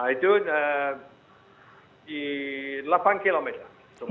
itu di delapan kilometer